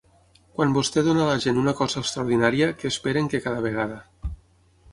Quan vostè dóna a la gent una cosa extraordinària, que esperen que cada vegada.